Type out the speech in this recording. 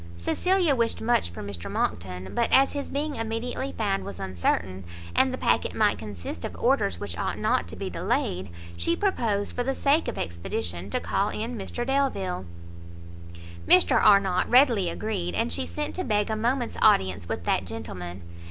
Cecilia wished much for Mr Monckton, but as his being immediately found was uncertain, and the packet might consist of orders which ought not to be delayed, she proposed, for the sake of expedition, to call in Mr Delvile. Mr Arnott readily agreed, and she sent to beg a moment's audience with that gentleman.